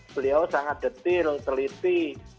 beliau sangat detil teliti